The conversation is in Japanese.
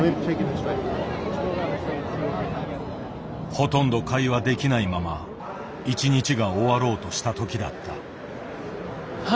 ほとんど会話できないまま一日が終わろうとしたときだった。